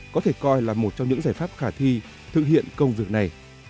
có thể coi là một trong những giải pháp khả thi thực hiện công việc này